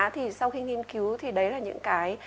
thì sau khi nghiên cứu thì đấy là những cái